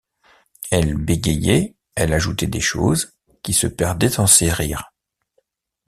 Elle bégayait, elle ajoutait des choses, qui se perdaient dans ses rires.